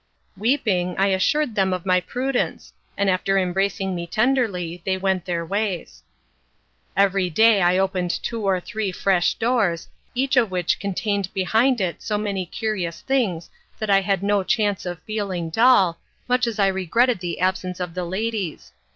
Weeping, I assured them of my prudence, and after embracing me tenderly, they went their ways. Every day I opened two or three fresh doors, each of which contained behind it so many curious things that I had no chance of feeling dull, much as I regretted the absence of the ladies.